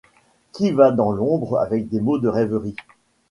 Qui va dans l'ombre avec des mots de rêverie